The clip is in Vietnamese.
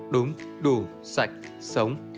đúng đủ sạch sống